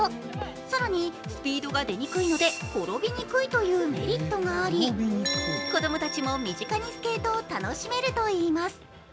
更に、スピードが出にくいので転びにくいというメリットがあり子供たちも身近にスケートを楽しめるといいます。